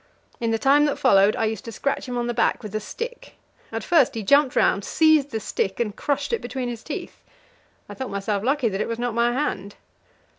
In the time that followed, I used to scratch him on the back with a stick; at first he jumped round, seized the stick, and crushed it between his teeth. I thought myself lucky that it was not my hand.